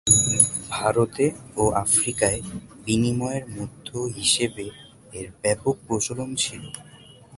ভারতে ও আফ্রিকায় বিনিময়ের মাধ্য হিসাবে এর ব্যাপক প্রচলন ছিল।